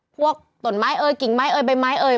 ต้นไม้เอ่ยกิ่งไม้เอ่ยใบไม้เอ่ย